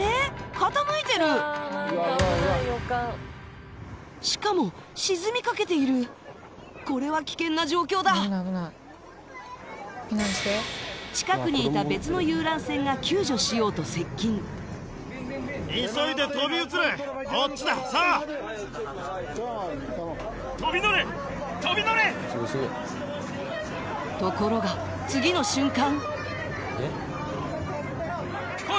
傾いてるしかも沈みかけているこれは危険な状況だ近くにいた別の遊覧船が救助しようと接近ところが次の瞬間